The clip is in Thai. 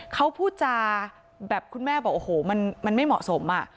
เขาพูดจาแบบคุณแม่บอกโอ้โหมันไม่เหมาะสม